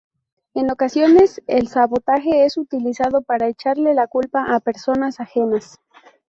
En ocasiones, el sabotaje es utilizado para echarle la culpa a personas ajenas.